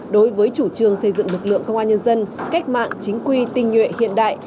đối với chủ trương xây dựng lực lượng công an nhân dân cách mạng chính quy tinh nhuệ hiện đại